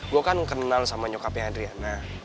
gue kan kenal sama nyokapnya adriana